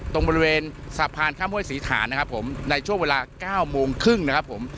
ตรงบริเวณสะพานข้ามห้วยศรีฐานนะครับผมในช่วงเวลา๙โมงครึ่งนะครับผม